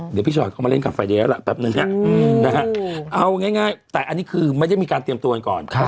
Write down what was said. เดี๋ยวพี่ชอตเข้ามาเล่นกับไฟแดงแล้วล่ะแป๊บนึงเอาง่ายแต่อันนี้คือไม่ได้มีการเตรียมตัวกันก่อน